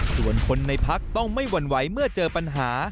ส่วนคนในพักต้องไม่หวั่นไหวเมื่อเจอปัญหา